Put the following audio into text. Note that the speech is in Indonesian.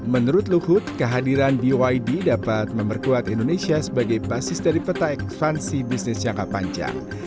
menurut luhut kehadiran bid dapat memperkuat indonesia sebagai basis dari peta ekspansi bisnis jangka panjang